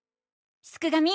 すくがミ！